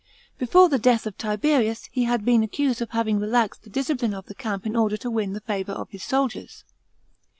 Before the death of Tiberius, he had b. en accused of having relaxed the discipline of the camp in order to win the favour of his soldiers.